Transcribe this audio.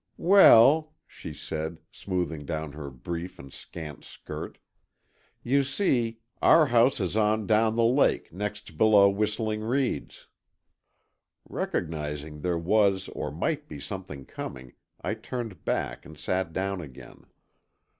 "Well," she said, smoothing down her brief and scant skirt, "you see, our house is on down the lake, next below Whistling Reeds." Recognizing there was or might be something coming, I turned back, and sat down again.